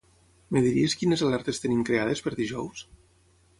Em diries quines alertes tenim creades per dijous?